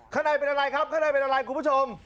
ข้างในเป็นอะไรครับข้างในเป็นอะไรคุณผู้ชม